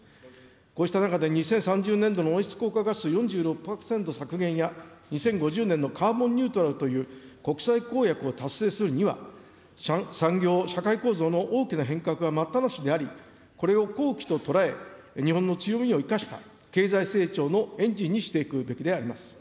こうした中で２０３０年度の温室効果ガス４６％削減や、２０５０年のカーボンニュートラルという国際公約を達成するには、産業・社会構造の大きな変革は待ったなしであり、これを好機と捉え、日本の強みを生かした経済成長のエンジンにしていくべきであります。